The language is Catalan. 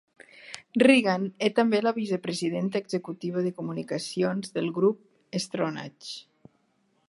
Regan és també la vice-presidenta executiva de comunicacions del Grup Stronach.